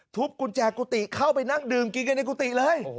กุญแจกุฏิเข้าไปนั่งดื่มกินกันในกุฏิเลย